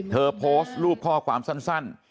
เธอโพสต์รูปข้อความสั้น